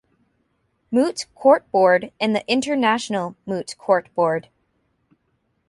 Moot Court Board and the International Moot Court Board.